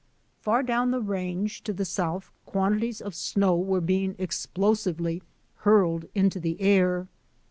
Far down the range to the south quantities of snow were being explosively hurled into the air.